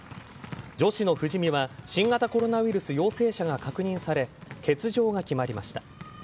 女子の富士見は新型コロナウイルス陽性者が確認され欠場が決まりました。